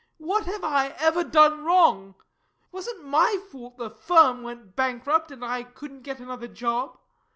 What have I ever done wrong! Wasn't my fault the firm went bankrupt and I couldn't get another job.